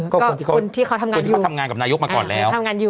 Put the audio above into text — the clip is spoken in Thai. ก็คนที่เขาทำงานกับนายกมาก่อนแล้ว